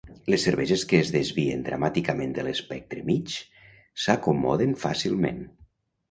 Les cerveses que es desvien dramàticament de l'espectre "mig" s'acomoden fàcilment.